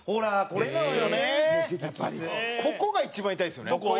ここが一番痛いですよね。